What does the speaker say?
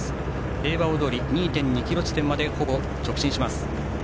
平和大通り２．２ｋｍ地点までほぼ直進します。